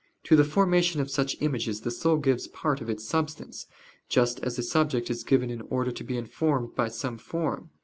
To the formation of such images the soul gives part of its substance, just as a subject is given in order to be informed by some form.